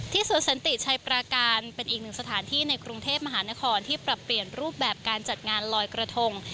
สวนสันติชัยปราการเป็นอีกหนึ่งสถานที่ในกรุงเทพมหานครที่ปรับเปลี่ยนรูปแบบการจัดงานลอยกระทง